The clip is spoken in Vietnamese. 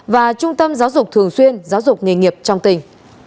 và trung tâm giáo dục thường xuyên giáo dục nghề nghiệp trong tỉnh